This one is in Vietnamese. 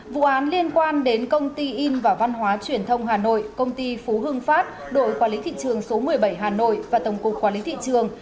vụ án liên quan đến công ty in và văn hóa truyền thông hà nội công ty phú hưng phát đội quản lý thị trường số một mươi bảy hà nội và tổng cục quản lý thị trường